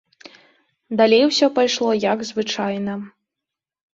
Далей усё пайшло, як звычайна.